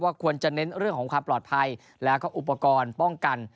ควรจะเน้นเรื่องของความปลอดภัยแล้วก็อุปกรณ์ป้องกัน